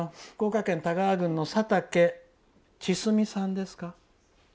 福岡県田川郡のたけちすみさんですか。